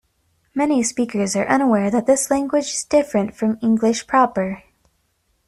Many speakers are unaware that this language is different from English proper.